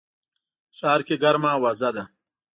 ښار کي ګرمه اوازه ده